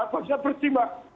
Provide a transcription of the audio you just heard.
baginya bersih mbak